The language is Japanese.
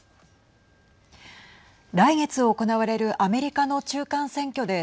来月行われるアメリカの中間選挙で